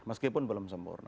meskipun belum sempurna